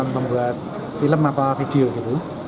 membuat film atau video gitu